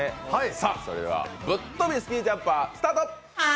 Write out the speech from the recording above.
それでは「ぶっ飛びスキージャンパー」スタート。